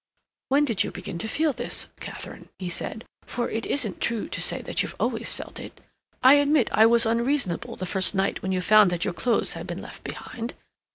"When did you begin to feel this, Katharine?" he said; "for it isn't true to say that you've always felt it. I admit I was unreasonable the first night when you found that your clothes had been left behind.